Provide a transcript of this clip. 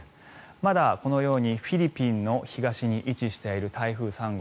まだこのようにフィリピンの東に位置している台風３号。